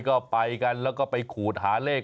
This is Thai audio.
ก็ไปกันแล้วก็ไปขูดหาเลข